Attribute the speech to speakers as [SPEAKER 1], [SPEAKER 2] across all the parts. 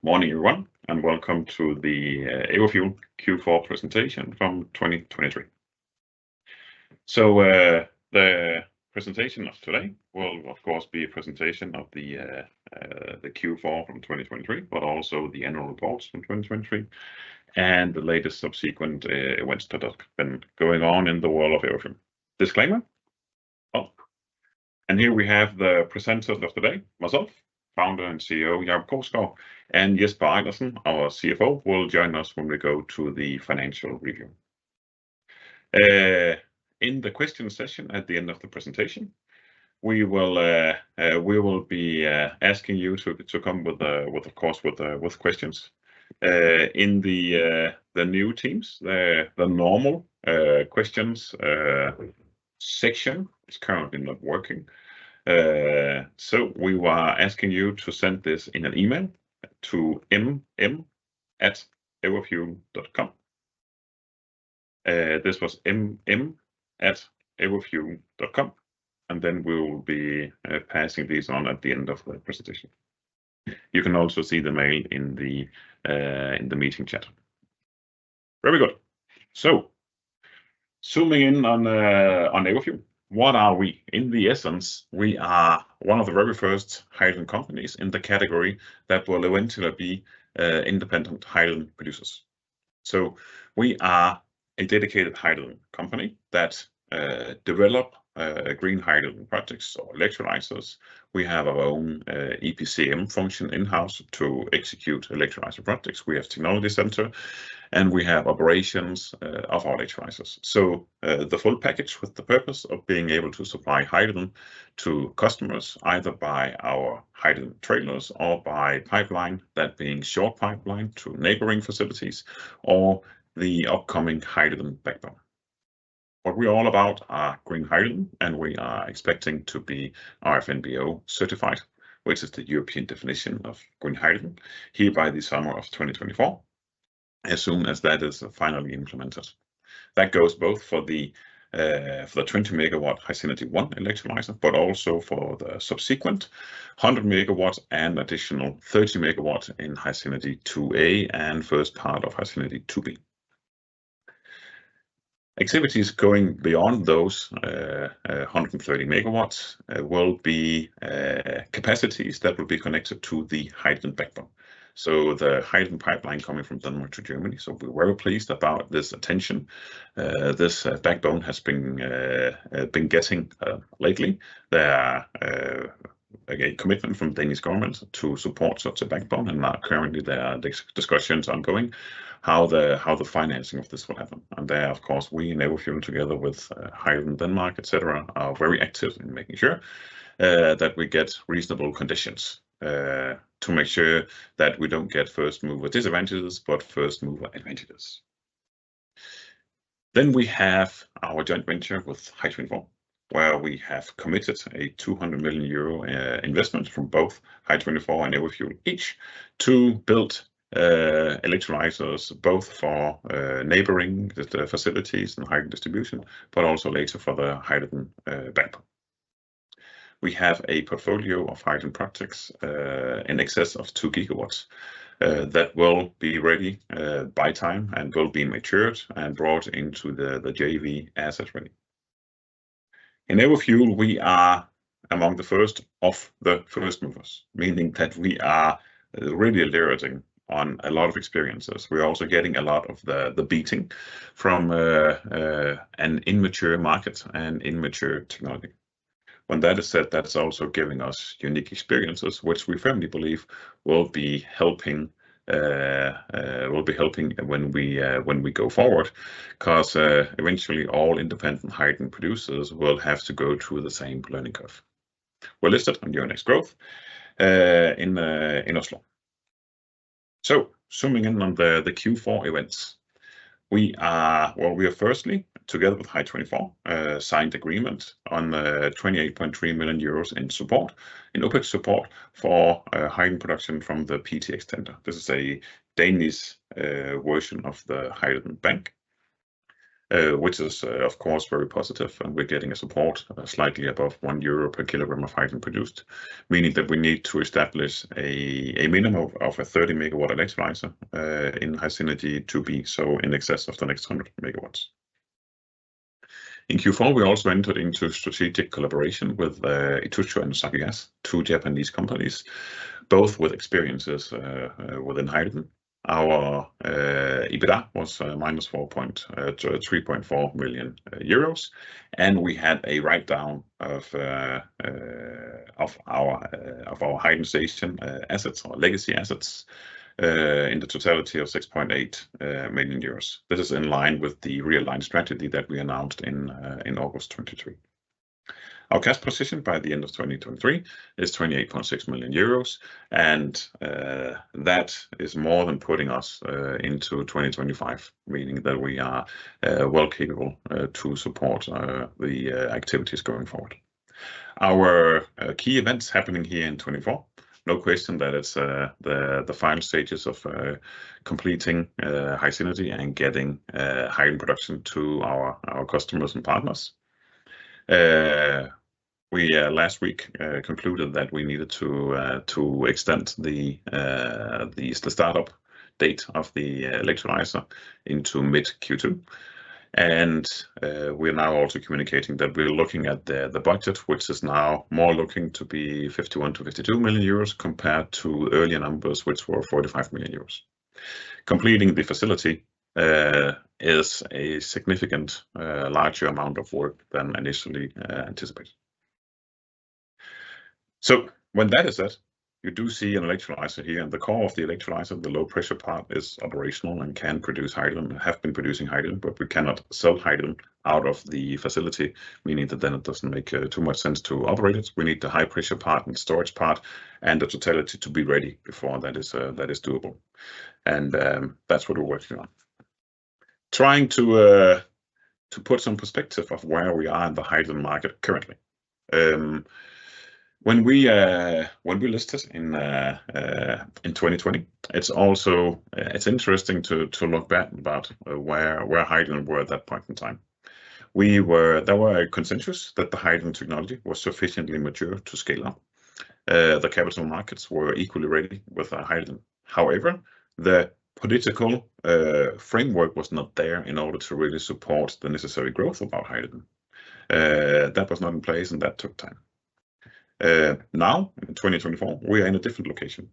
[SPEAKER 1] Morning everyone, and welcome to the Everfuel Q4 presentation from 2023. So, the presentation of today will, of course, be a presentation of the Q4 from 2023, but also the annual reports from 2023 and the latest subsequent events that have been going on in the world of Everfuel. Disclaimer: oh. Here we have the presenters of today: myself, founder and CEO Jacob Krogsgaard, and Jesper Ejlersen, our CFO, will join us when we go to the financial review. In the question session at the end of the presentation, we will be asking you to come with, of course, questions. In the new Teams, the normal questions section is currently not working, so we are asking you to send them in an email to mm@everfuel.com. This is mm@everfuel.com, and then we'll be passing these on at the end of the presentation. You can also see the mail in the meeting chat. Very good. So, zooming in on Everfuel: what are we? In the essence, we are one of the very first hydrogen companies in the category that will eventually be independent hydrogen producers. So we are a dedicated hydrogen company that develop green hydrogen projects or electrolysers. We have our own EPCM function in-house to execute electrolyser projects. We have a technology center, and we have operations of our electrolysers. So, the full package with the purpose of being able to supply hydrogen to customers either by our hydrogen trailers or by pipeline, that being short pipeline to neighboring facilities or the upcoming hydrogen backbone. What we're all about are green hydrogen, and we are expecting to be RFNBO certified, which is the European definition of green hydrogen, here by the summer of 2024, as soon as that is finally implemented. That goes both for the 20 MW HySynergy One electrolyser, but also for the subsequent 100 MW and additional 30 MW in HySynergy 2A and first part of HySynergy 2B. Activities going beyond those 130 MW will be capacities that will be connected to the hydrogen backbone. So the hydrogen pipeline coming from Denmark to Germany, so we're very pleased about this attention this backbone has been getting lately. There are again commitments from Danish governments to support such a backbone, and now currently there are discussions ongoing how the financing of this will happen. There, of course, we in Everfuel together with Hydrogen Denmark, etc., are very active in making sure that we get reasonable conditions to make sure that we don't get first mover disadvantages but first mover advantages. We have our joint venture with Hy24, where we have committed a 200 million euro investment from both Hy24 and Everfuel each to build electrolyzers both for neighboring facilities and hydrogen distribution, but also later for the hydrogen backbone. We have a portfolio of hydrogen projects in excess of two gigawatts that will be ready by time and will be matured and brought into the JV asset ready. In Everfuel, we are among the first of the first movers, meaning that we are really learning on a lot of experiences. We're also getting a lot of the beating from an immature market and immature technology. When that is said, that's also giving us unique experiences, which we firmly believe will be helping, will be helping when we, when we go forward because, eventually all independent hydrogen producers will have to go through the same learning curve. We're listed on Euronext Growth in Oslo. So, zooming in on the Q4 events: we are, well, we are firstly, together with Hy24, signed agreement on 28.3 million euros in IPCEI support for hydrogen production from the PtX tender. This is a Danish version of the hydrogen bank, which is, of course, very positive, and we're getting a support slightly above 1 euro per kilogram of hydrogen produced, meaning that we need to establish a minimum of a 30 MW electrolyser in HySynergy 2B, so in excess of the next 100 MW. In Q4, we also entered into strategic collaboration with ITOCHU and Osaka Gas, two Japanese companies, both with experience within hydrogen. Our EBITDA was -43.4 million euros, and we had a write-down of our hydrogen station assets or legacy assets, in the totality of 6.8 million euros. This is in line with the realignment strategy that we announced in August 2023. Our cash position by the end of 2023 is 28.6 million euros, and that is more than putting us into 2025, meaning that we are well capable to support the activities going forward. Our key events happening here in 2024: no question that it's the final stages of completing HySynergy and getting hydrogen production to our customers and partners. We, last week, concluded that we needed to extend the startup date of the electrolyser into mid-Q2, and we're now also communicating that we're looking at the budget, which is now more looking to be 51 million-52 million euros compared to earlier numbers, which were 45 million euros. Completing the facility is a significant larger amount of work than initially anticipated. So, when that is said, you do see an electrolyser here, and the core of the electrolyser, the low-pressure part, is operational and can produce hydrogen and have been producing hydrogen, but we cannot sell hydrogen out of the facility, meaning that then it doesn't make too much sense to operate it. We need the high-pressure part and storage part and the totality to be ready before that is doable, and that's what we're working on. Trying to put some perspective of where we are in the hydrogen market currently. When we listed in 2020, it's interesting to look back about where hydrogen were at that point in time. There were consensus that the hydrogen technology was sufficiently mature to scale up. The capital markets were equally ready with hydrogen. However, the political framework was not there in order to really support the necessary growth about hydrogen. That was not in place, and that took time. Now, in 2024, we are in a different location.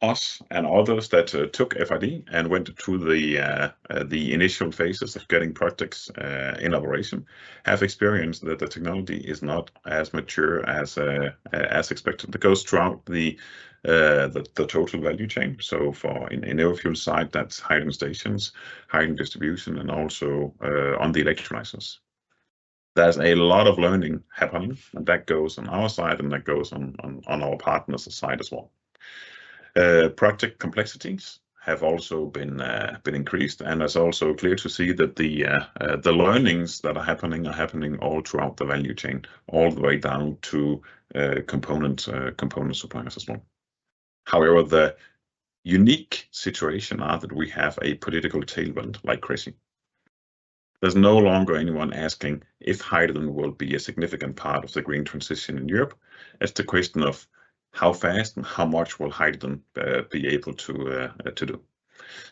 [SPEAKER 1] Us and others that took FID and went through the initial phases of getting projects in operation have experienced that the technology is not as mature as expected. It goes throughout the total value chain. So, on Everfuel's side, that's hydrogen stations, hydrogen distribution, and also, on the electrolysers. There's a lot of learning happening, and that goes on our side, and that goes on our partners' side as well. Project complexities have also been increased, and it's also clear to see that the learnings that are happening are happening all throughout the value chain, all the way down to component suppliers as well. However, the unique situation is that we have a political tailwind like crazy. There's no longer anyone asking if hydrogen will be a significant part of the green transition in Europe. It's the question of how fast and how much will hydrogen be able to do.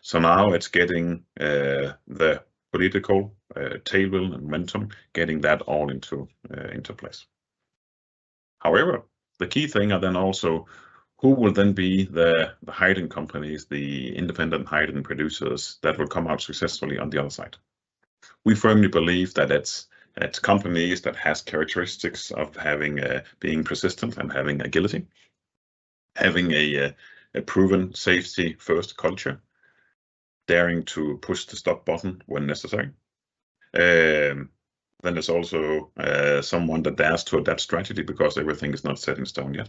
[SPEAKER 1] So now it's getting the political tailwind momentum, getting that all into place. However, the key thing is then also who will then be the hydrogen companies, the independent hydrogen producers that will come out successfully on the other side. We firmly believe that it's companies that have characteristics of being persistent and having agility, having a proven safety-first culture, daring to push the stop button when necessary. Then there's also someone that dares to adapt strategy because everything is not set in stone yet.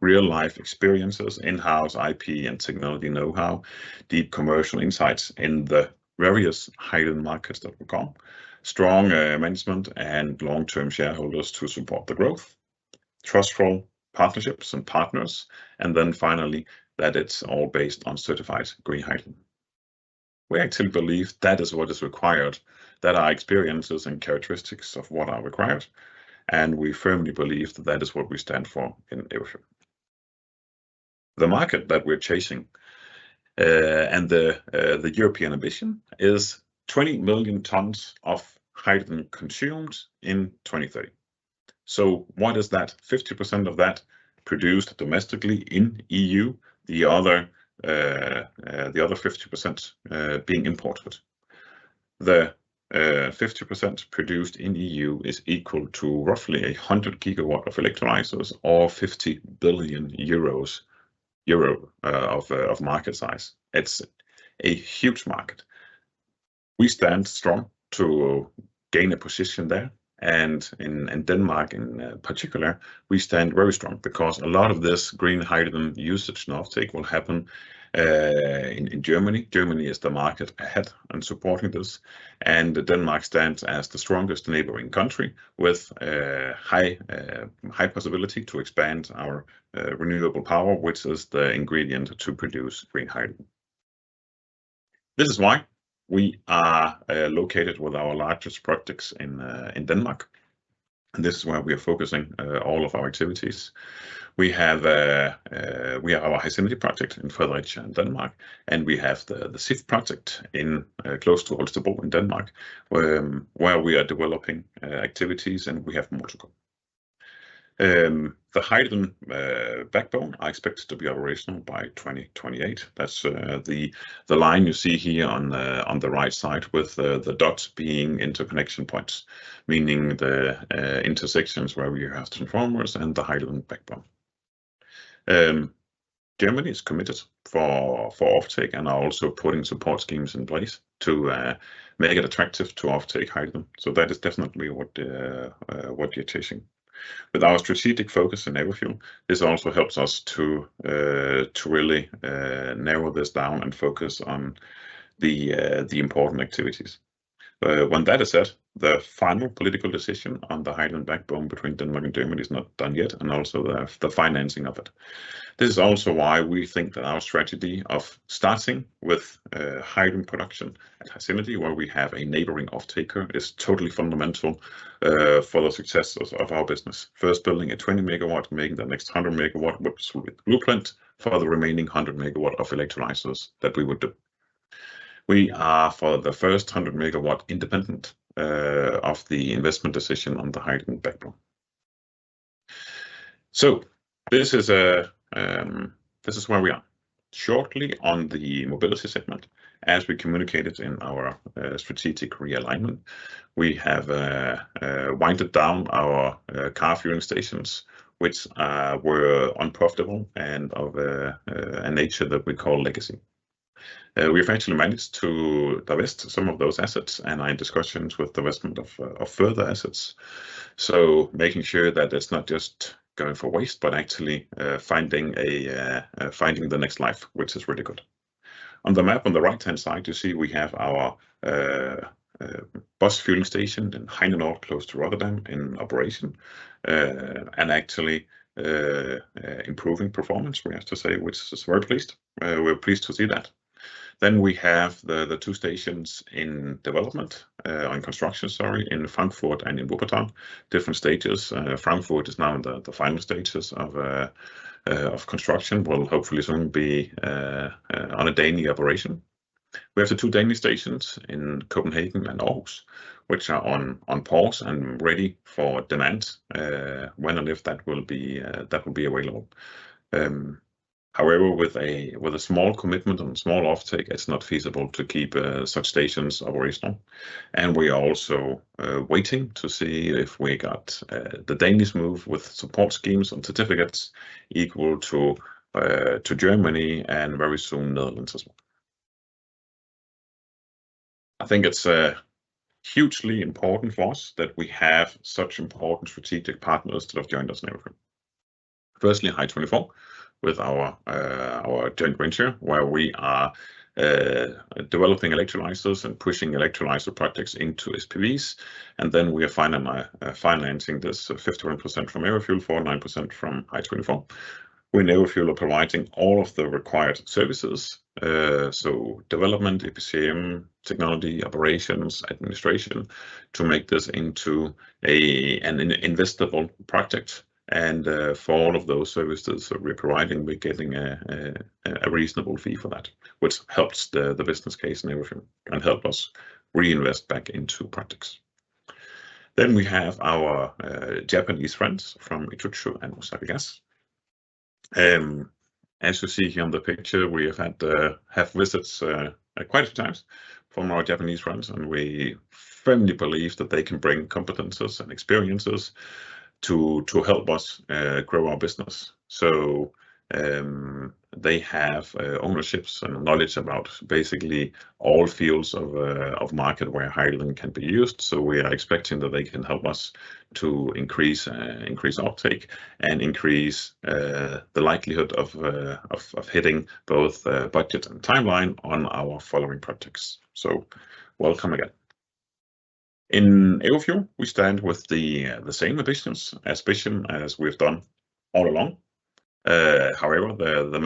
[SPEAKER 1] Real-life experiences, in-house IP and technology know-how, deep commercial insights in the various hydrogen markets, strong management and long-term shareholders to support the growth, trustful partnerships and partners, and then finally that it's all based on certified green hydrogen. We actually believe that is what is required, those are experiences and characteristics of what are required, and we firmly believe that is what we stand for in Everfuel. The market that we're chasing, and the European ambition is 20 million tons of hydrogen consumed in 2030. So what is that? 50% of that produced domestically in the EU, the other 50%, being imported. The 50% produced in the EU is equal to roughly 100 GW of electrolysers or 50 billion euros of market size. It's a huge market. We stand strong to gain a position there, and in Denmark in particular, we stand very strong because a lot of this green hydrogen usage and offtake will happen in Germany. Germany is the market ahead in supporting this, and Denmark stands as the strongest neighboring country with high possibility to expand our renewable power, which is the ingredient to produce green hydrogen. This is why we are located with our largest projects in Denmark, and this is where we are focusing all of our activities. We have our HySynergy project in Fredericia in Denmark, and we have the Sif project close to Holstebro in Denmark, where we are developing activities, and we have Portugal. The hydrogen backbone is expected to be operational by 2028. That's the line you see here on the right side with the dots being interconnection points, meaning the intersections where we have transformers and the hydrogen backbone. Germany is committed for offtake and are also putting support schemes in place to make it attractive to offtake hydrogen. So that is definitely what we're chasing. With our strategic focus in Everfuel, this also helps us to really narrow this down and focus on the important activities. When that is said, the final political decision on the hydrogen backbone between Denmark and Germany is not done yet, and also the financing of it. This is also why we think that our strategy of starting with hydrogen production at HySynergy, where we have a neighboring offtaker, is totally fundamental for the successes of our business. First, building a 20 MW, making the next 100 MW with blueprint for the remaining 100 MW of electrolysers that we would do. We are for the first 100 MW independent of the investment decision on the hydrogen backbone. So this is where we are. Shortly on the mobility segment, as we communicated in our strategic realignment, we have wound down our car fueling stations, which were unprofitable and of a nature that we call legacy. We've actually managed to divest some of those assets and are in discussions with divestment of further assets. So making sure that it's not just going for waste but actually finding the next life, which is really good. On the map on the right-hand side, you see we have our bus fueling station in Heinenoord close to Rotterdam in operation, and actually improving performance, we have to say, which is very pleased. We're pleased to see that. Then we have the two stations in development, on construction, sorry, in Frankfurt and in Wuppertal, different stages. Frankfurt is now in the final stages of construction, will hopefully soon be on a daily operation. We have the two stations in Copenhagen and Aarhus, which are on pause and ready for demand, when and if that will be available. However, with a small commitment and small offtake, it's not feasible to keep such stations operational, and we are also waiting to see if we got the Danish move with support schemes and certificates equal to Germany and very soon Netherlands as well. I think it's hugely important for us that we have such important strategic partners that have joined us in Everfuel. Firstly, Hy24 with our joint venture, where we are developing electrolyzers and pushing electrolyzer projects into SPVs, and then we are financing this 51% from Everfuel, 49% from Hy24. We in Everfuel are providing all of the required services, so development, EPCM, technology, operations, administration, to make this into an investable project, and, for all of those services that we're providing, we're getting a reasonable fee for that, which helps the business case in Everfuel and helped us reinvest back into projects. Then we have our Japanese friends from ITOCHU and Osaka Gas. As you see here on the picture, we have had visits, quite a few times from our Japanese friends, and we firmly believe that they can bring competences and experiences to help us grow our business. So, they have ownerships and knowledge about basically all fields of market where hydrogen can be used, so we are expecting that they can help us to increase offtake and increase the likelihood of hitting both budget and timeline on our following projects. So, welcome again. In Everfuel, we stand with the same ambitions, aspiration, as we have done all along. However, the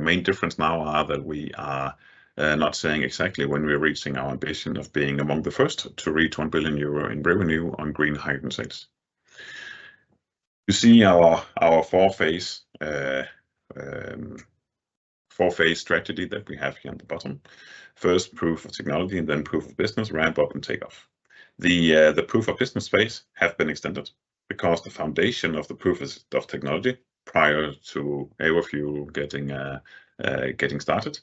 [SPEAKER 1] main difference now is that we are not saying exactly when we're reaching our ambition of being among the first to reach 1 billion euro in revenue on green hydrogen sales. You see our four-phase strategy that we have here on the bottom: first proof of technology and then proof of business, ramp up and take off. The proof of business phase has been extended because the foundation of the proof of technology prior to Everfuel getting started,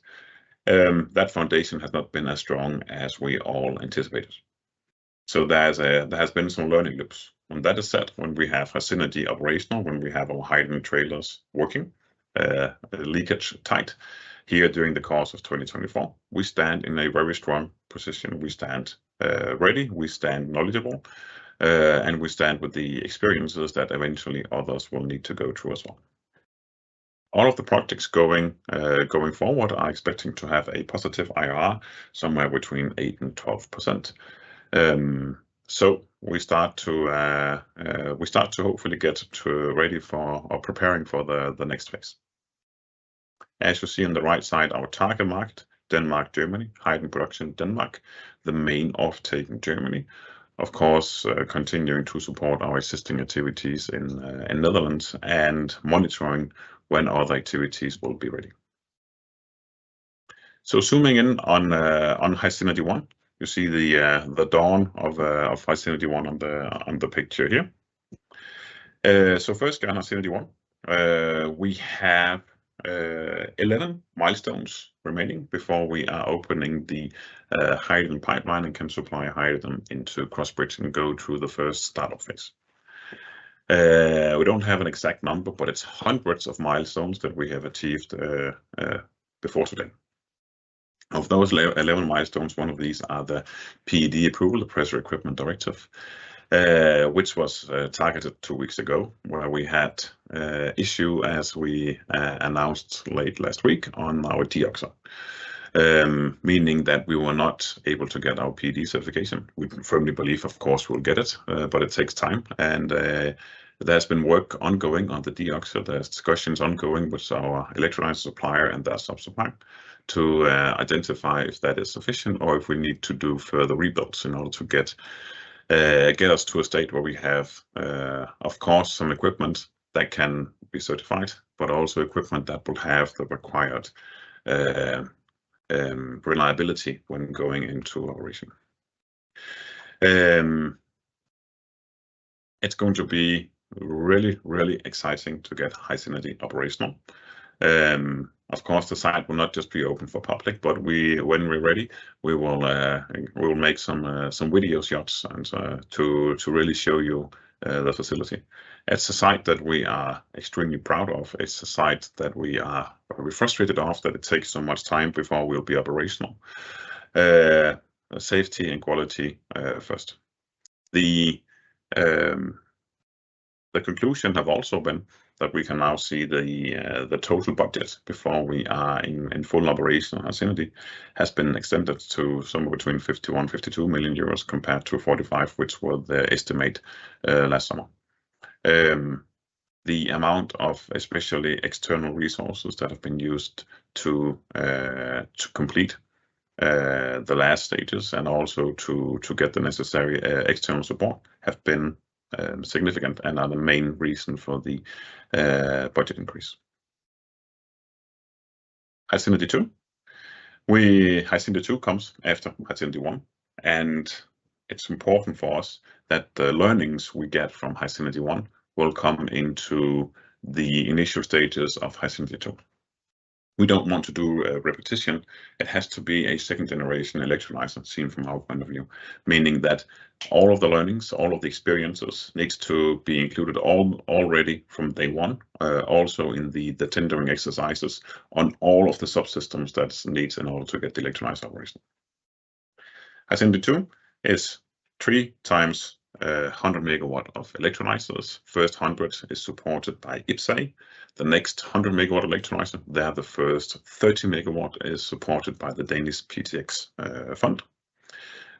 [SPEAKER 1] that foundation has not been as strong as we all anticipated. So there has been some learning loops. When that is said, when we have HySynergy operational, when we have our hydrogen trailers working, leakage tight here during the course of 2024, we stand in a very strong position. We stand ready, we stand knowledgeable, and we stand with the experiences that eventually others will need to go through as well. All of the projects going forward are expecting to have a positive IRR somewhere between 8%-12%. So we start to hopefully get to ready for or preparing for the next phase. As you see on the right side, our target market: Denmark, Germany, hydrogen production, Denmark, the main offtake in Germany, of course, continuing to support our existing activities in Netherlands and monitoring when other activities will be ready. So zooming in on HySynergy One, you see the dawn of HySynergy One on the picture here. So first guy on HySynergy One, we have 11 milestones remaining before we are opening the hydrogen pipeline and can supply hydrogen into Crossbridge and go through the first startup phase. We don't have an exact number, but it's hundreds of milestones that we have achieved before today. Of those 11 milestones, one of these is the PED approval, the Pressure Equipment Directive, which was targeted two weeks ago, where we had issue as we announced late last week on our Deoxo, meaning that we were not able to get our PED certification. We firmly believe, of course, we'll get it, but it takes time, and there's been work ongoing on the Deoxo. There's discussions ongoing with our electrolyser supplier and their subsupplier to identify if that is sufficient or if we need to do further rebuilds in order to get, get us to a state where we have, of course, some equipment that can be certified, but also equipment that will have the required reliability when going into operation. It's going to be really, really exciting to get HySynergy operational. Of course, the site will not just be open for public, but we, when we're ready, we will make some video shots and to really show you the facility. It's a site that we are extremely proud of. It's a site that we're frustrated off that it takes so much time before we'll be operational. Safety and quality first. The conclusion has also been that we can now see the total budget before we are in full operation. HySynergy has been extended to somewhere between 51 million-52 million euros compared to 45 million, which were the estimate last summer. The amount of especially external resources that have been used to complete the last stages and also to get the necessary external support have been significant and are the main reason for the budget increase. HySynergy Two. HySynergy Two comes after HySynergy One, and it's important for us that the learnings we get from HySynergy One will come into the initial stages of HySynergy Two. We don't want to do a repetition. It has to be a second-generation electrolyzer system from our point of view, meaning that all of the learnings, all of the experiences need to be included all already from day one, also in the tendering exercises on all of the subsystems that needs in order to get the electrolyzer operation. HySynergy Two is 3 times 100 MW of electrolyzers. First 100 is supported by IPCEI. The next 100 MW electrolyzer, they are the first 30 MW is supported by the Danish PtX fund.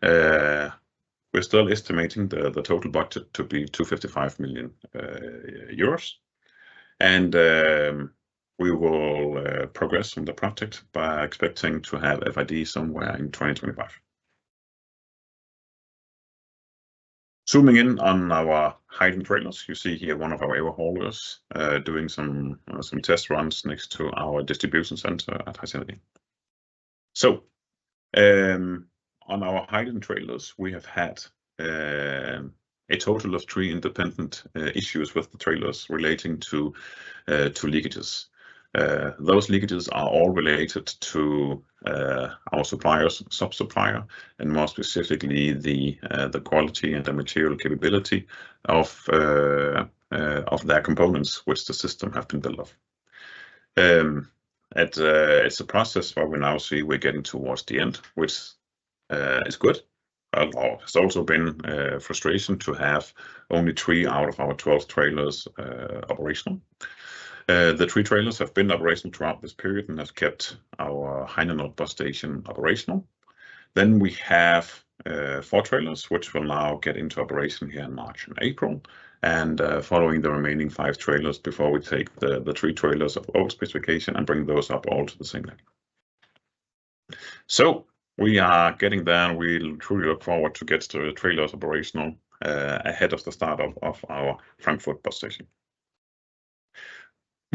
[SPEAKER 1] We're still estimating the total budget to be 255 million euros, and we will progress on the project by expecting to have FID somewhere in 2025. Zooming in on our hydrogen trailers, you see here one of our haulers doing some test runs next to our distribution center at HySynergy. So, on our hydrogen trailers, we have had a total of three independent issues with the trailers relating to leakages. Those leakages are all related to our suppliers, subsupplier, and more specifically the quality and the material capability of their components, which the system has been built off. It's a process where we now see we're getting towards the end, which is good. There's also been frustration to have only three out of our 12 trailers operational. The three trailers have been operational throughout this period and have kept our Heinenoord bus station operational. Then we have 4 trailers, which will now get into operation here in March and April, and following the remaining 5 trailers before we take the 3 trailers of old specification and bring those up all to the same level. So we are getting there. We truly look forward to getting the trailers operational, ahead of the start of our Frankfurt bus station.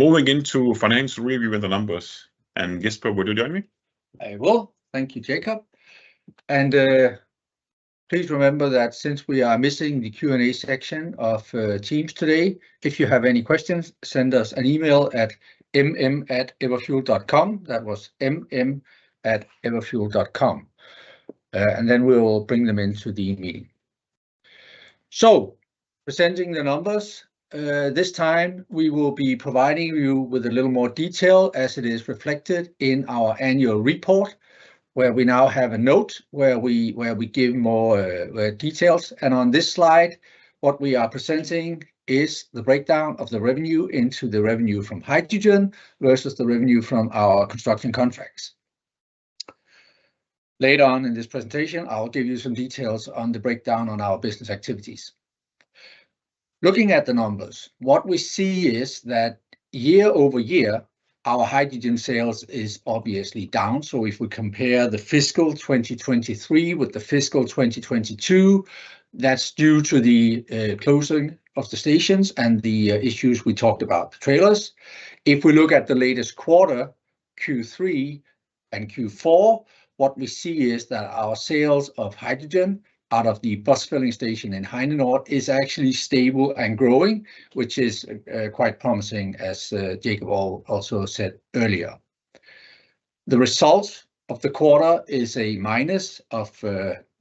[SPEAKER 1] Moving into financial review and the numbers, and Jesper, will you join me?
[SPEAKER 2] I will. Thank you, Jacob. Please remember that since we are missing the Q&A section of Teams today, if you have any questions, send us an email at mm@everfuel.com. That was mm@everfuel.com, and then we will bring them into the meeting. So presenting the numbers, this time we will be providing you with a little more detail as it is reflected in our annual report, where we now have a note where we give more details. And on this slide, what we are presenting is the breakdown of the revenue into the revenue from hydrogen versus the revenue from our construction contracts. Later on in this presentation, I'll give you some details on the breakdown on our business activities. Looking at the numbers, what we see is that year-over-year, our hydrogen sales is obviously down. So if we compare the fiscal 2023 with the fiscal 2022, that's due to the closing of the stations and the issues we talked about, the trailers. If we look at the latest quarter, Q3 and Q4, what we see is that our sales of hydrogen out of the bus filling station in Heinenoord is actually stable and growing, which is quite promising, as Jacob also said earlier. The result of the quarter is a minus of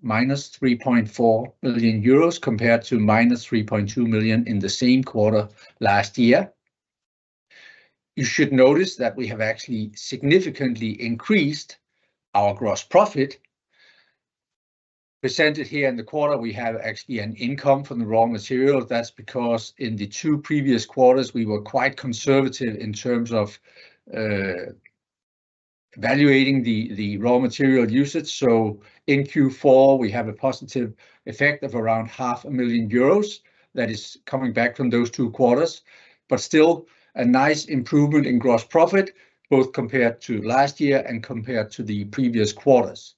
[SPEAKER 2] minus 3.4 million euros compared to minus 3.2 million in the same quarter last year. You should notice that we have actually significantly increased our gross profit. Presented here in the quarter, we have actually an income from the raw materials. That's because in the two previous quarters, we were quite conservative in terms of evaluating the raw material usage. So in Q4, we have a positive effect of around 500,000 euros that is coming back from those two quarters, but still a nice improvement in gross profit both compared to last year and compared to the previous quarters.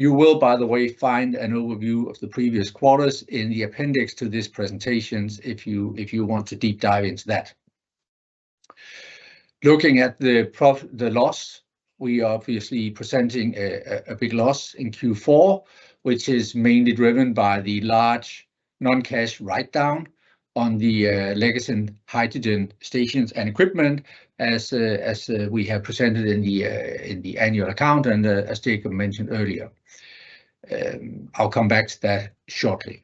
[SPEAKER 2] You will, by the way, find an overview of the previous quarters in the appendix to this presentation if you want to deep dive into that. Looking at the profit, the loss, we are obviously presenting a big loss in Q4, which is mainly driven by the large non-cash write-down on the legacy hydrogen stations and equipment as we have presented in the annual account and as Jacob mentioned earlier. I'll come back to that shortly.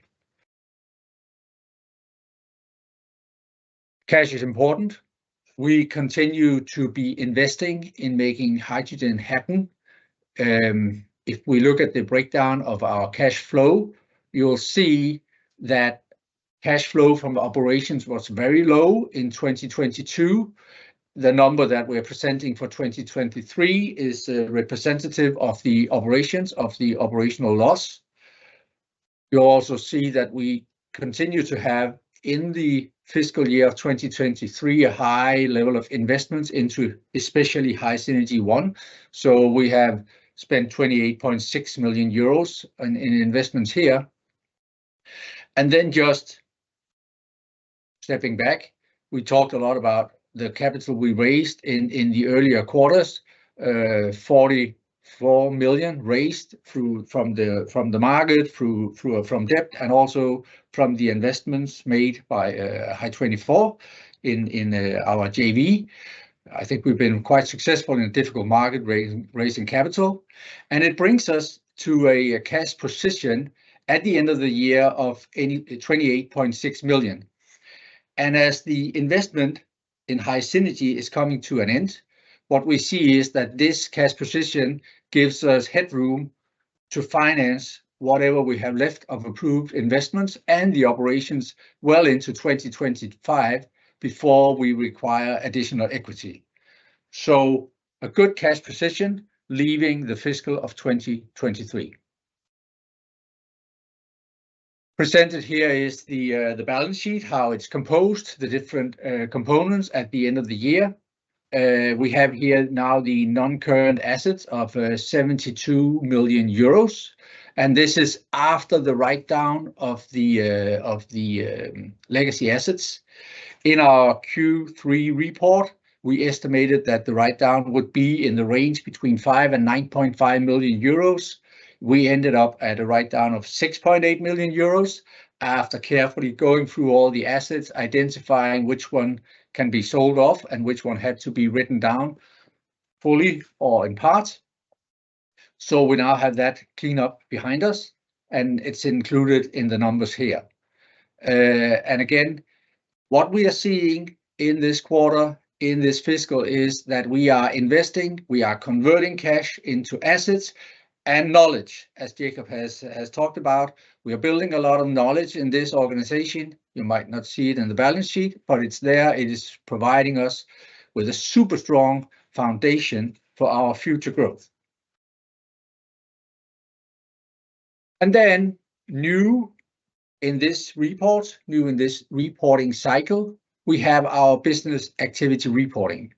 [SPEAKER 2] Cash is important. We continue to be investing in making hydrogen happen. If we look at the breakdown of our cash flow, you'll see that cash flow from the operations was very low in 2022. The number that we are presenting for 2023 is representative of the operations of the operational loss. You'll also see that we continue to have in the fiscal year of 2023 a high level of investments into especially HySynergy One. So we have spent 28.6 million euros in investments here. And then just stepping back, we talked a lot about the capital we raised in the earlier quarters, 44 million raised through from the market, through from debt, and also from the investments made by Hy24 in our JV. I think we've been quite successful in a difficult market raising capital, and it brings us to a cash position at the end of the year of any 28.6 million. As the investment in HySynergy is coming to an end, what we see is that this cash position gives us headroom to finance whatever we have left of approved investments and the operations well into 2025 before we require additional equity. A good cash position leaving the fiscal of 2023. Presented here is the balance sheet, how it's composed, the different components at the end of the year. We have here now the non-current assets of 72 million euros, and this is after the write-down of the legacy assets. In our Q3 report, we estimated that the write-down would be in the range between 5 million and 9.5 million euros. We ended up at a write-down of 6.8 million euros after carefully going through all the assets, identifying which one can be sold off and which one had to be written down fully or in part. So we now have that cleanup behind us, and it's included in the numbers here. And again, what we are seeing in this quarter, in this fiscal, is that we are investing. We are converting cash into assets and knowledge. As Jacob has talked about, we are building a lot of knowledge in this organization. You might not see it in the balance sheet, but it's there. It is providing us with a super strong foundation for our future growth. And then new in this report, new in this reporting cycle, we have our business activity reporting.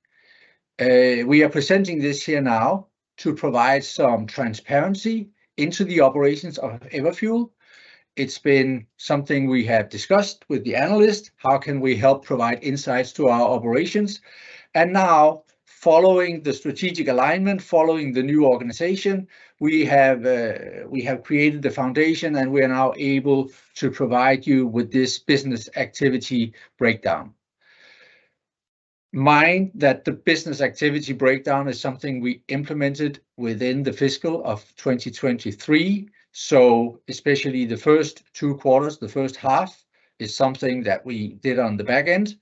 [SPEAKER 2] We are presenting this here now to provide some transparency into the operations of Everfuel. It's been something we have discussed with the analysts. How can we help provide insights to our operations? And now, following the strategic alignment, following the new organization, we have created the foundation, and we are now able to provide you with this business activity breakdown. Mind that the business activity breakdown is something we implemented within the fiscal of 2023, so especially the first two quarters, the first half, is something that we did on the back end.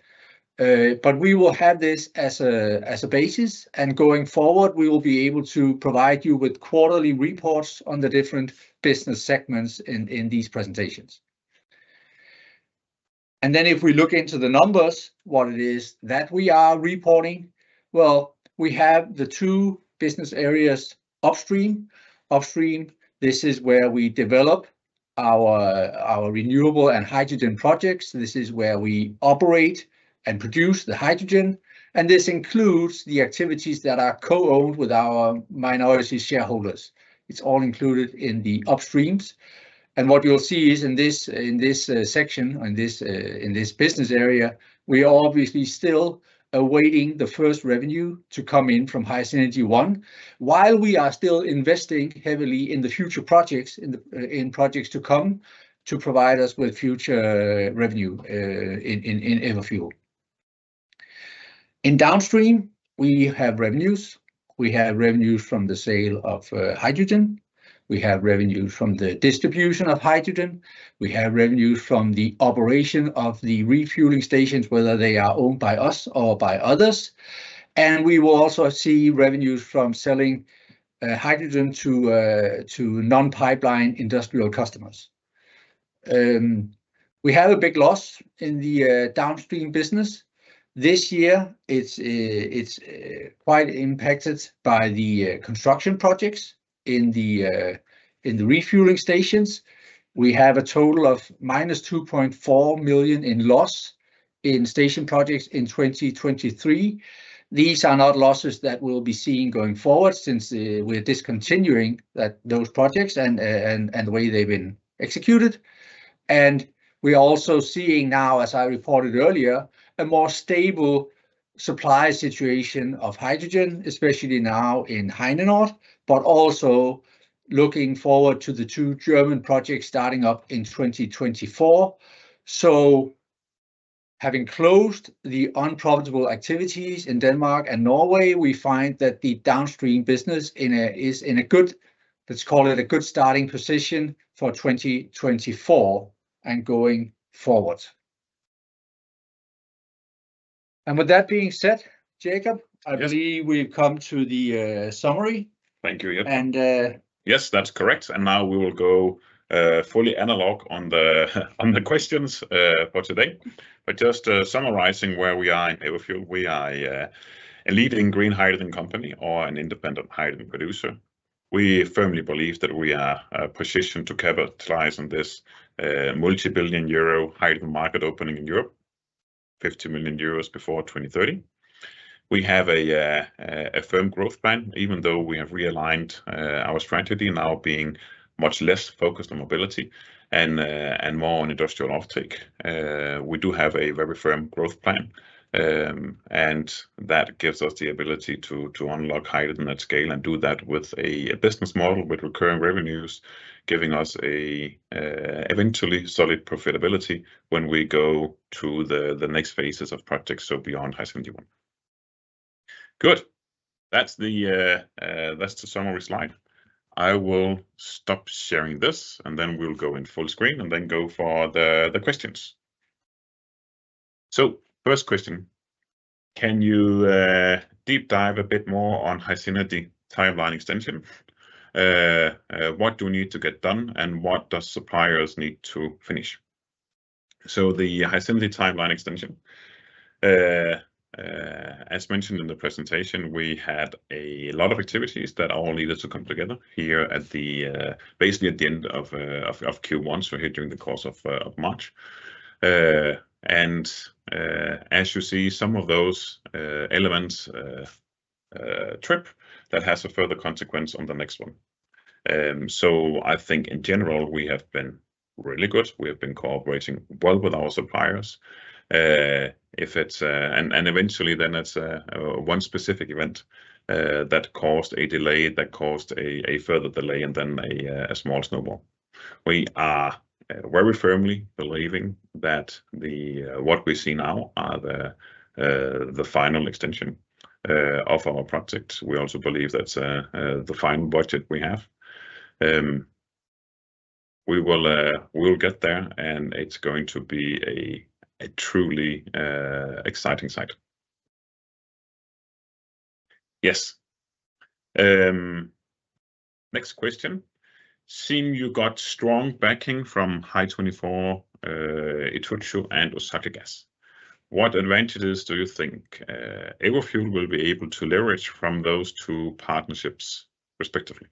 [SPEAKER 2] We will have this as a basis, and going forward, we will be able to provide you with quarterly reports on the different business segments in these presentations. Then if we look into the numbers, what it is that we are reporting, well, we have the two business areas upstream. Upstream, this is where we develop our renewable and hydrogen projects. This is where we operate and produce the hydrogen, and this includes the activities that are co-owned with our minority shareholders. It's all included in the upstreams. What you'll see is in this section, in this business area, we are obviously still awaiting the first revenue to come in from HySynergy One while we are still investing heavily in the future projects, in the projects to come to provide us with future revenue in Everfuel. In downstream, we have revenues. We have revenues from the sale of hydrogen. We have revenues from the distribution of hydrogen. We have revenues from the operation of the refueling stations, whether they are owned by us or by others. We will also see revenues from selling hydrogen to non-pipeline industrial customers. We have a big loss in the downstream business this year. It's quite impacted by the construction projects in the refueling stations. We have a total of -2.4 million in loss in station projects in 2023. These are not losses that we'll be seeing going forward since we're discontinuing those projects and the way they've been executed. We are also seeing now, as I reported earlier, a more stable supply situation of hydrogen, especially now in Heinenoord, but also looking forward to the two German projects starting up in 2024. Having closed the unprofitable activities in Denmark and Norway, we find that the downstream business is in a good, let's call it a good starting position for 2024 and going forward. With that being said, Jacob, I believe we've come to the summary. Thank you, Jacob.
[SPEAKER 1] And yes, that's correct. Now we will go fully analog on the questions for today. Just summarizing where we are in Everfuel, we are a leading green hydrogen company or an independent hydrogen producer. We firmly believe that we are positioned to capitalize on this multibillion euro hydrogen market opening in Europe, 50 million euros before 2030. We have a firm growth plan, even though we have realigned our strategy now being much less focused on mobility and more on industrial offtake. We do have a very firm growth plan, and that gives us the ability to unlock hydrogen at scale and do that with a business model with recurring revenues, giving us eventually solid profitability when we go to the next phases of projects, so beyond HySynergy One. Good. That's the summary slide. I will stop sharing this, and then we'll go in full screen and then go for the questions. So first question, can you deep dive a bit more on HySynergy timeline extension? What do we need to get done, and what do suppliers need to finish? So the HySynergy timeline extension, as mentioned in the presentation, we had a lot of activities that all needed to come together here at the basically at the end of Q1, so here during the course of March. And as you see, some of those elements trip that has a further consequence on the next one. So I think in general, we have been really good. We have been cooperating well with our suppliers. If it's and eventually then it's one specific event that caused a delay that caused a further delay and then a small snowball. We are very firmly believing that what we see now are the final extension of our project. We also believe that's the final budget we have. We will get there, and it's going to be a truly exciting site. Yes. Next question, seems you got strong backing from Hy24, ITOCHU, and Osaka Gas. What advantages do you think Everfuel will be able to leverage from those two partnerships, respectively?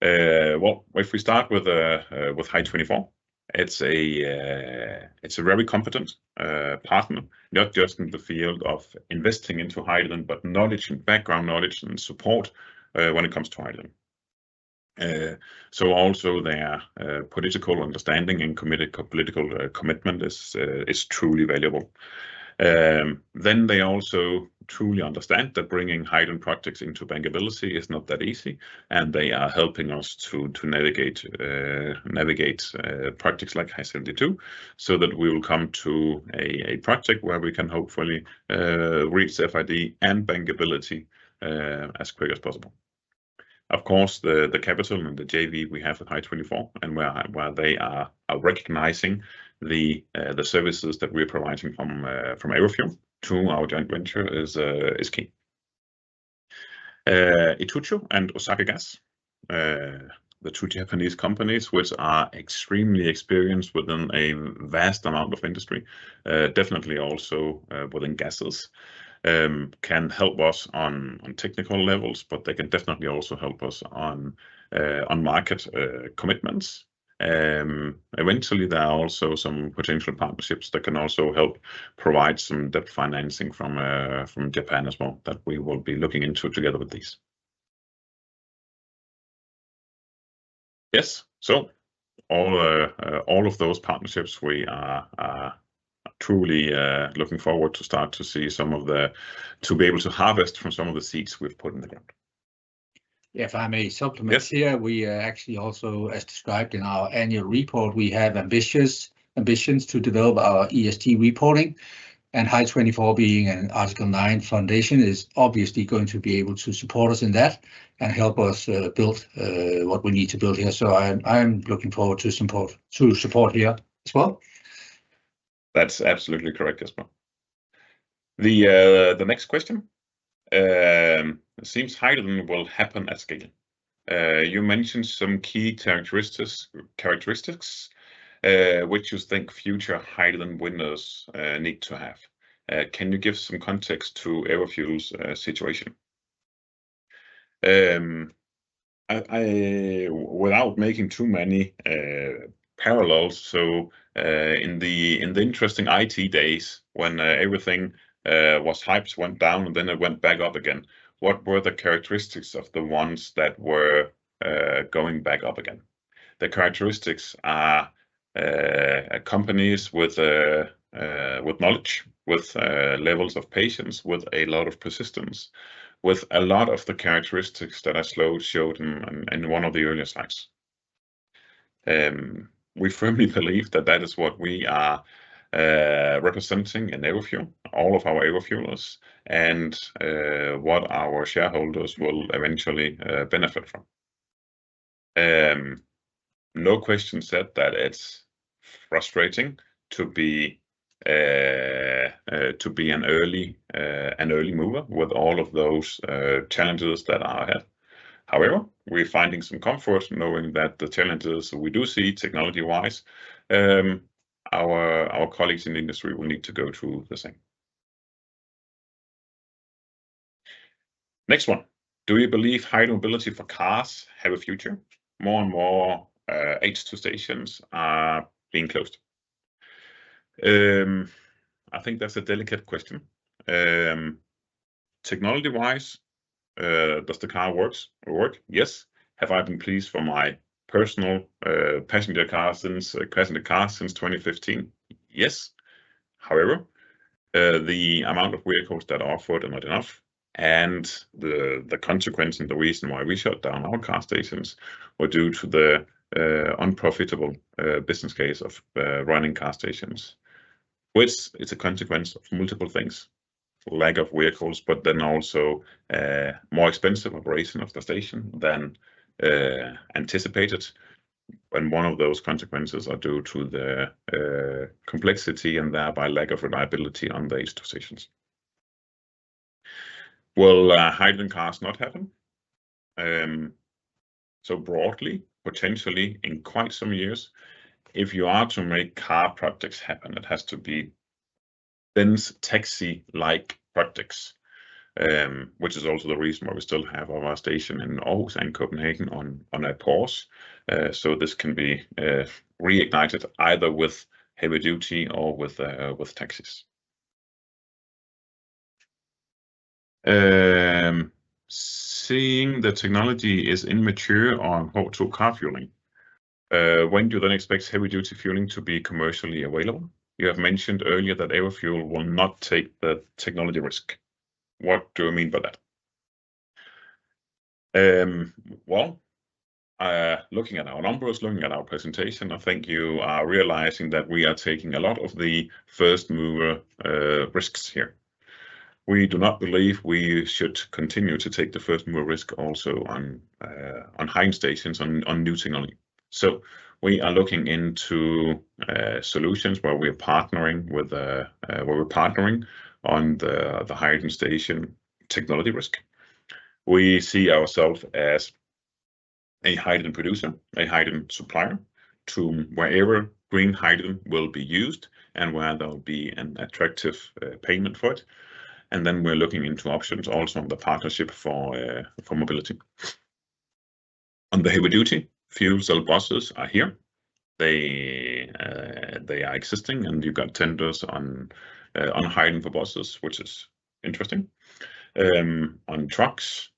[SPEAKER 1] Well, if we start with Hy24, it's a very competent partner, not just in the field of investing into hydrogen, but knowledge and background knowledge and support when it comes to hydrogen. So also their political understanding and political commitment is truly valuable. Then they also truly understand that bringing hydrogen projects into bankability is not that easy, and they are helping us to navigate projects like HySynergy Two so that we will come to a project where we can hopefully reach FID and bankability as quick as possible. Of course, the capital and the JV we have with Hy24 and where they are recognizing the services that we are providing from Everfuel to our joint venture is key. ITOCHU and Osaka Gas, the two Japanese companies which are extremely experienced within a vast amount of industry, definitely also within gases, can help us on technical levels, but they can definitely also help us on market commitments. Eventually, there are also some potential partnerships that can also help provide some debt financing from Japan as well that we will be looking into together with these. Yes. So all of those partnerships, we are truly looking forward to start to see some of the to be able to harvest from some of the seeds we've put in the ground.
[SPEAKER 2] Yeah, if I may supplement here, we actually also, as described in our annual report, we have ambitious ambitions to develop our ESG reporting, and Hy24 being an Article 9 foundation is obviously going to be able to support us in that and help us build what we need to build here. So I'm looking forward to support here as well.
[SPEAKER 1] That's absolutely correct, Jesper. The next question, it seems hydrogen will happen at scale. You mentioned some key characteristics which you think future hydrogen windows need to have. Can you give some context to Everfuel's situation? Without making too many parallels, so in the interesting IT days when everything was hyped, went down, and then it went back up again, what were the characteristics of the ones that were going back up again? The characteristics are companies with knowledge, with levels of patience, with a lot of persistence, with a lot of the characteristics that I showed in one of the earlier slides. We firmly believe that that is what we are representing in Everfuel, all of our Everfuelers, and what our shareholders will eventually benefit from. No question said that it's frustrating to be an early mover with all of those challenges that are ahead. However, we're finding some comfort knowing that the challenges we do see technology-wise, our colleagues in the industry will need to go through the same. Next one, do you believe hydromobility for cars have a future? More and more H2 stations are being closed. I think that's a delicate question. Technology-wise, does the car work? Yes. Have I been pleased for my personal passenger car since 2015? Yes. However, the amount of vehicles that are offered are not enough, and the consequence and the reason why we shut down our car stations were due to the unprofitable business case of running car stations, which is a consequence of multiple things: lack of vehicles, but then also more expensive operation of the station than anticipated. And one of those consequences is due to the complexity and thereby lack of reliability on the H2 stations. Will hydrogen cars not happen? So broadly, potentially in quite some years, if you are to make car projects happen, it has to be dense taxi-like projects, which is also the reason why we still have our station in Aarhus and Copenhagen on a pause. So this can be reignited either with heavy duty or with taxis. Seeing the technology is immature on H2 car fueling, when do you then expect heavy duty fueling to be commercially available? You have mentioned earlier that Everfuel will not take the technology risk. What do I mean by that? Well, looking at our numbers, looking at our presentation, I think you are realizing that we are taking a lot of the first mover risks here. We do not believe we should continue to take the first mover risk also on hydrogen stations, on new technology. So we are looking into solutions where we are partnering with where we're partnering on the hydrogen station technology risk. We see ourselves as a hydrogen producer, a hydrogen supplier to wherever green hydrogen will be used and where there will be an attractive payment for it. Then we're looking into options also on the partnership for mobility. On the heavy duty, fuel cell buses are here. They are existing, and you've got tenders on hydrogen for buses, which is interesting. On trucks,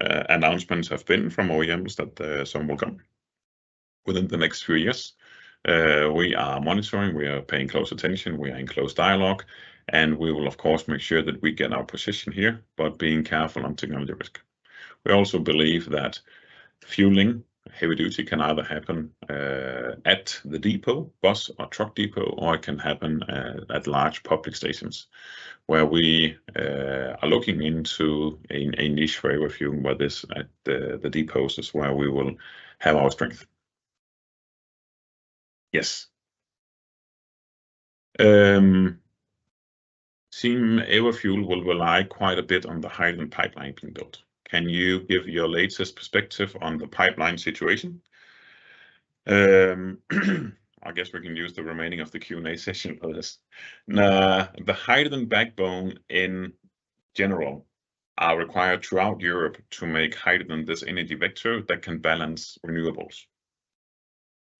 [SPEAKER 1] announcements have been from OEMs that some will come within the next few years. We are monitoring. We are paying close attention. We are in close dialogue, and we will, of course, make sure that we get our position here but being careful on technology risk. We also believe that fueling heavy duty can either happen at the depot, bus or truck depot, or it can happen at large public stations where we are looking into a niche for Everfuel where this at the depots is where we will have our strength. Yes. Seems Everfuel will rely quite a bit on the hydrogen pipeline being built. Can you give your latest perspective on the pipeline situation? I guess we can use the remaining of the Q&A session for this. The hydrogen backbone in general is required throughout Europe to make hydrogen this energy vector that can balance renewables.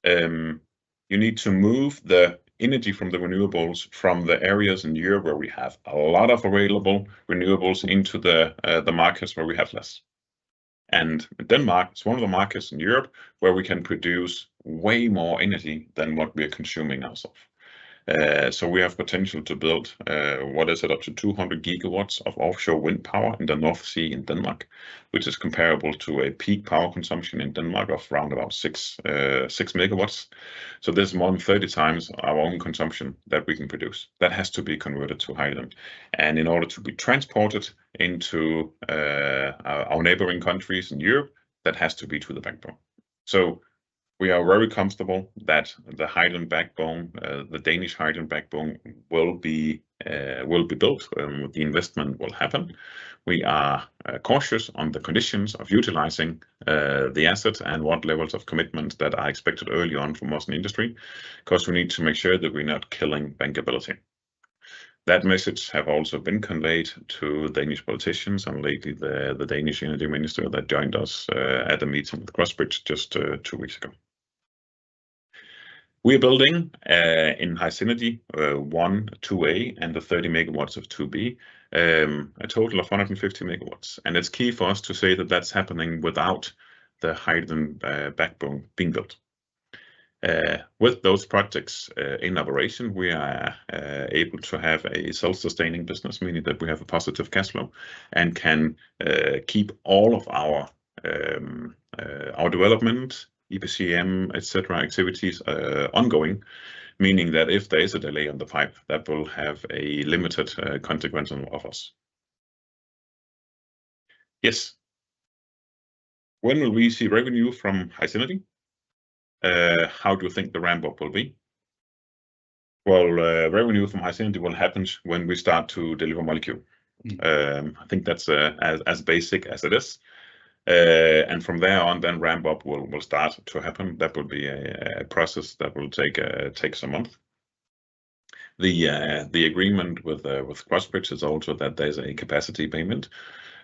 [SPEAKER 1] You need to move the energy from the renewables from the areas in Europe where we have a lot of available renewables into the markets where we have less. Denmark is one of the markets in Europe where we can produce way more energy than what we are consuming ourselves. So we have potential to build what is it? Up to 200 GW of offshore wind power in the North Sea in Denmark, which is comparable to a peak power consumption in Denmark of around about six MW. So this is more than 30 times our own consumption that we can produce. That has to be converted to hydrogen. And in order to be transported into our neighboring countries in Europe, that has to be to the backbone. So we are very comfortable that the hydrogen backbone, the Danish hydrogen backbone, will be built. The investment will happen. We are cautious on the conditions of utilizing the assets and what levels of commitment that are expected early on from us in industry because we need to make sure that we're not killing bankability. That message has also been conveyed to Danish politicians and lately the Danish energy minister that joined us at a meeting with Crossbridge just two weeks ago. We are building in HySynergy One 2A and the 30 MW of 2B, a total of 150 MW. It's key for us to say that that's happening without the hydrogen backbone being built. With those projects in operation, we are able to have a self-sustaining business, meaning that we have a positive cash flow and can keep all of our development, EPCM, etc., activities ongoing, meaning that if there is a delay on the pipe, that will have a limited consequence on us. Yes. When will we see revenue from HySynergy? How do you think the ramp-up will be? Well, revenue from HySynergy will happen when we start to deliver molecule. I think that's as basic as it is. And from there on, then ramp-up will start to happen. That will be a process that will take some months. The agreement with Crossbridge is also that there's a capacity payment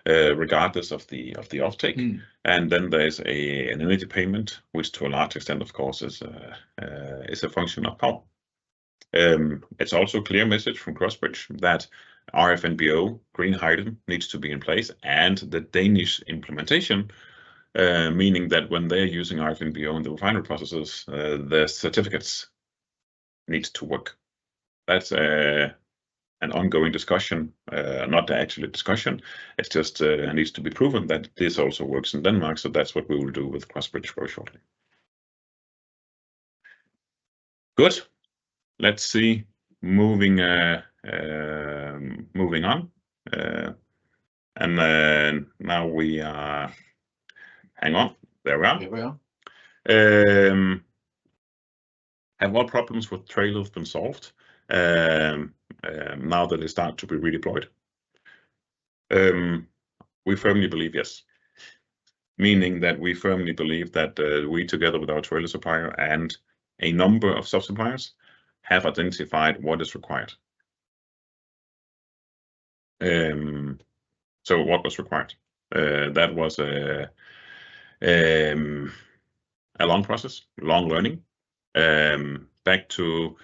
[SPEAKER 1] regardless of the offtake. And then there's an energy payment, which to a large extent, of course, is a function of power. It's also a clear message from Crossbridge that RFNBO, green hydrogen, needs to be in place and the Danish implementation, meaning that when they're using RFNBO in the refinery processes, the certificates need to work. That's an ongoing discussion, not the actual discussion. It just needs to be proven that this also works in Denmark. So that's what we will do with Crossbridge very shortly. Good. Let's see. Moving on. And now we are hang on. There we are. Have all problems with trailers been solved now that they start to be redeployed? We firmly believe, yes. Meaning that we firmly believe that we together with our trailer supplier and a number of subsuppliers have identified what is required. So what was required? That was a long process, long learning, back to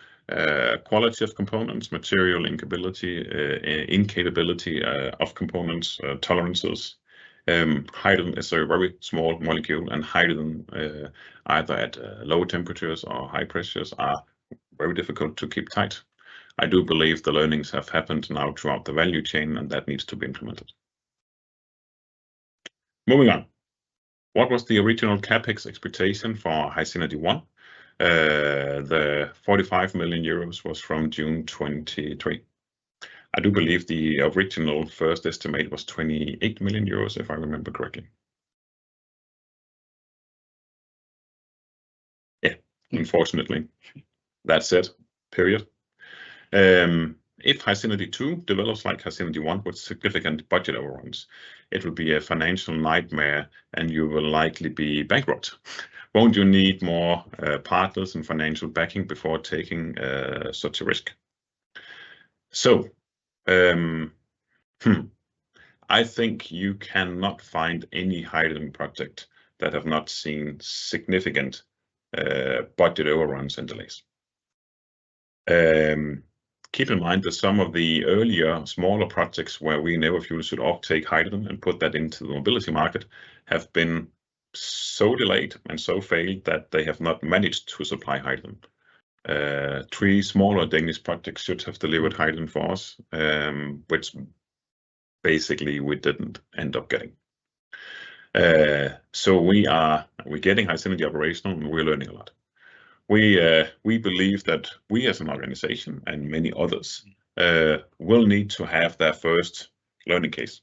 [SPEAKER 1] quality of components, material incapability of components, tolerances. Hydrogen is a very small molecule, and hydrogen either at low temperatures or high pressures is very difficult to keep tight. I do believe the learnings have happened now throughout the value chain, and that needs to be implemented. Moving on. What was the original CapEx expectation for HySynergy One? The 45 million euros was from June 2023. I do believe the original first estimate was 28 million euros, if I remember correctly. Yeah. Unfortunately, that's it. Period. If HySynergy Two develops like HySynergy One with significant budget overruns, it will be a financial nightmare, and you will likely be bankrupt. Won't you need more partners and financial backing before taking such a risk? So I think you cannot find any hydrogen project that has not seen significant budget overruns and delays. Keep in mind that some of the earlier smaller projects where we in Everfuel should offtake hydrogen and put that into the mobility market have been so delayed and so failed that they have not managed to supply hydrogen. Three smaller Danish projects should have delivered hydrogen for us, which basically we didn't end up getting. So we are getting HySynergy operational, and we're learning a lot. We believe that we as an organization and many others will need to have their first learning case.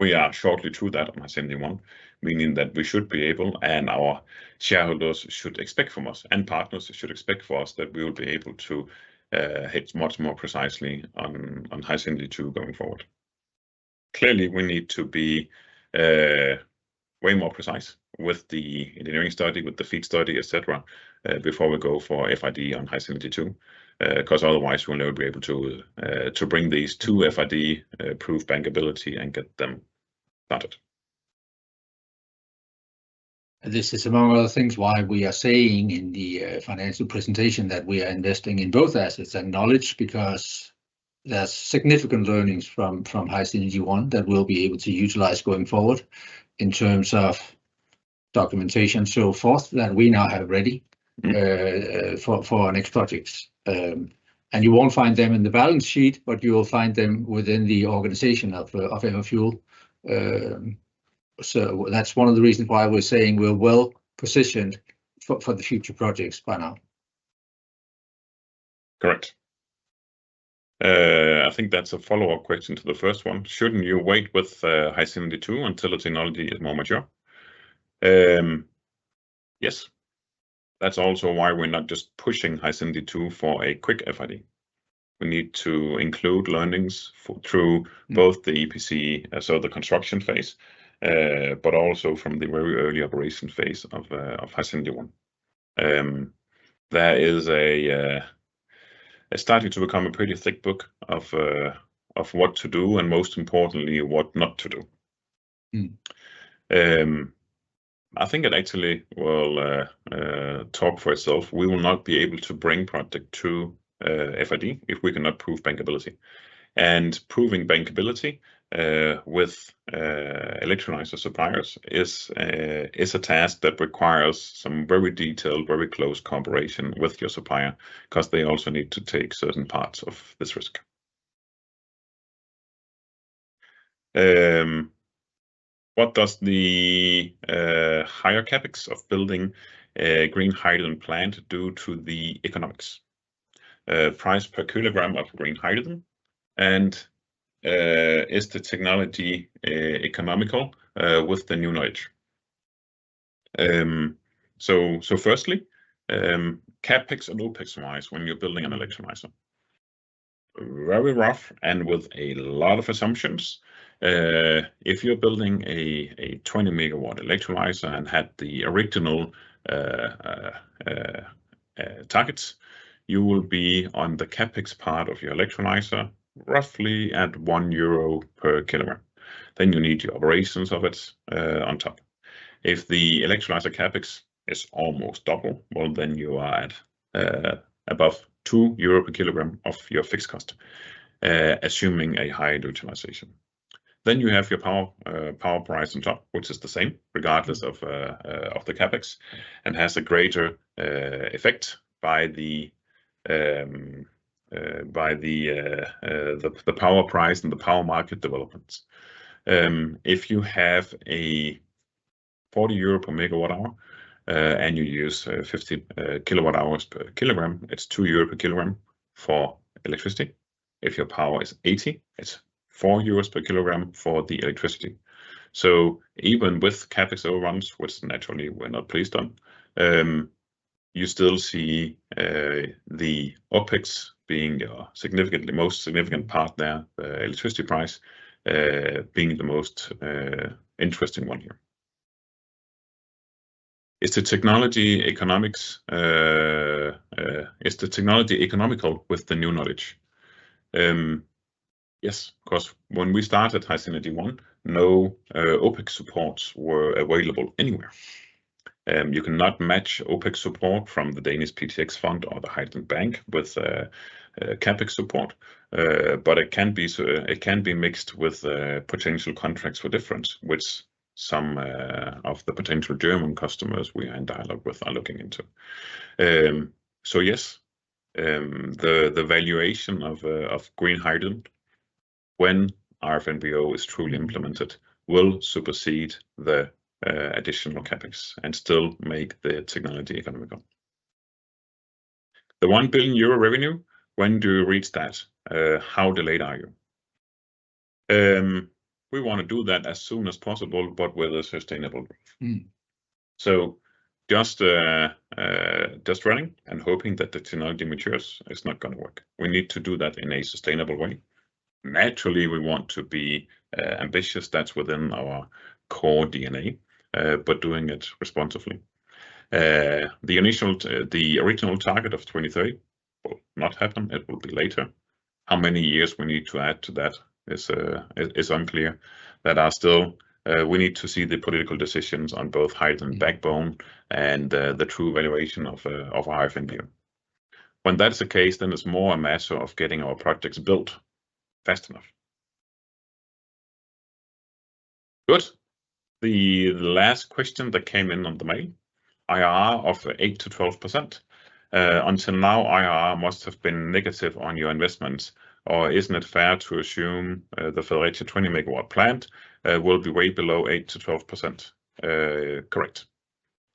[SPEAKER 1] We are shortly through that on HySynergy One, meaning that we should be able and our shareholders should expect from us and partners should expect for us that we will be able to hit much more precisely on HySynergy Two going forward. Clearly, we need to be way more precise with the engineering study, with the feed study, etc., before we go for FID on HySynergy Two because otherwise, we will never be able to bring these to FID-proof bankability and get them started.
[SPEAKER 2] This is among other things why we are saying in the financial presentation that we are investing in both assets and knowledge because there's significant learnings from HySynergy One that we'll be able to utilize going forward in terms of documentation so forth that we now have ready for our next projects. And you won't find them in the balance sheet, but you will find them within the organization of Everfuel. So that's one of the reasons why we're saying we're well positioned for the future projects by now.
[SPEAKER 1] Correct. I think that's a follow-up question to the first one. Shouldn't you wait with HySynergy Two until the technology is more mature? Yes. That's also why we're not just pushing HySynergy Two for a quick FID. We need to include learnings through both the EPC, so the construction phase, but also from the very early operation phase of HySynergy One. There is a starting to become a pretty thick book of what to do and most importantly, what not to do. I think it actually will talk for itself. We will not be able to bring project two FID if we cannot prove bankability. Proving bankability with electrolyzer suppliers is a task that requires some very detailed, very close cooperation with your supplier because they also need to take certain parts of this risk. What does the higher CapEx of building a green hydrogen plant do to the economics? Price per kilogram of green hydrogen, and is the technology economical with the new knowledge? Firstly, CapEx and OpEx-wise, when you're building an electrolyzer. Very rough and with a lot of assumptions. If you're building a 20 MW electrolyzer and had the original targets, you will be on the CapEx part of your electrolyzer roughly at 1 euro per kilogram. Then you need your operations of it on top. If the electrolyzer CapEx is almost double, well, then you are at above 2 euro per kilogram of your fixed cost, assuming a higher utilization. Then you have your power price on top, which is the same regardless of the CapEx and has a greater effect by the power price and the power market developments. If you have a 40 euro per MWh and you use 50 kWh per kilogram, it's 2 euro per kilogram for electricity. If your power is 80, it's 4 euros per kilogram for the electricity. So even with CapEx overruns, which naturally we're not pleased on, you still see the OpEx being your most significant part there, the electricity price being the most interesting one here. Is the technology economical with the new knowledge? Yes, because when we started HySynergy One, no OpEx supports were available anywhere. You cannot match OpEx support from the Danish PtX Fund or the Hydrogen Bank with CapEx support, but it can be mixed with potential contracts for difference, which some of the potential German customers we are in dialogue with are looking into. So yes, the valuation of green hydrogen when RFNBO is truly implemented will supersede the additional CapEx and still make the technology economical. The 1 billion euro revenue, when do you reach that? How delayed are you? We want to do that as soon as possible, but with a sustainable growth. So just running and hoping that the technology matures is not going to work. We need to do that in a sustainable way. Naturally, we want to be ambitious. That's within our core DNA, but doing it responsibly. The original target of 2030 will not happen. It will be later. How many years we need to add to that is unclear. We need to see the political decisions on both hydrogen backbone and the true valuation of RFNBO. When that's the case, then it's more a matter of getting our projects built fast enough. Good. The last question that came in on the mail, IRR of 8%-12%. Until now, IRR must have been negative on your investments, or isn't it fair to assume the Fredericia 20 MW plant will be way below 8%-12%? Correct.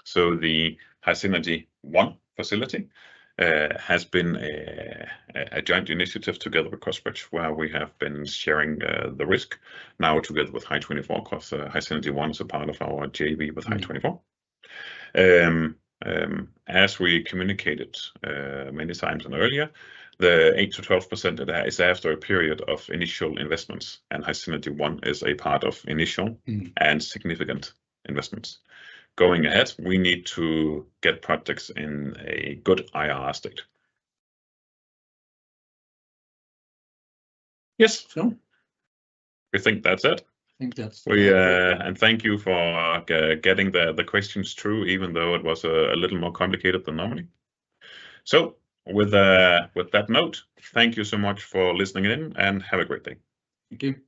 [SPEAKER 1] So the HySynergy One facility has been a joint initiative together with Crossbridge where we have been sharing the risk now together with Hy24 because HySynergy One is a part of our JV with Hy24. As we communicated many times and earlier, the 8%-12% is after a period of initial investments, and HySynergy One is a part of initial and significant investments. Going ahead, we need to get projects in a good IRR state. Yes. We think that's it. And thank you for getting the questions through, even though it was a little more complicated than normally. So with that note, thank you so much for listening in and have a great day. Thank you.